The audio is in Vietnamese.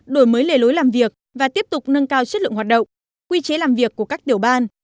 đổi mới lề lối làm việc và tiếp tục nâng cao chất lượng hoạt động quy chế làm việc của các tiểu ban